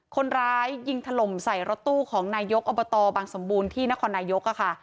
คนร้ายยิงถล่มใส่รถตู้ของนายกอบตบางสมบูรณ์ที่นครนายกค่ะ